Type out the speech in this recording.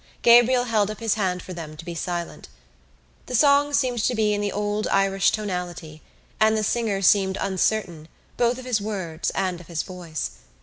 Gabriel held up his hand for them to be silent. The song seemed to be in the old Irish tonality and the singer seemed uncertain both of his words and of his voice.